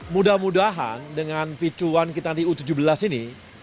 mudah mudahan dengan picuan kita di u tujuh belas ini